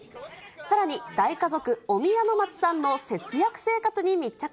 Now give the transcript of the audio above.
さらに、大家族、お宮の松さんの節約生活に密着。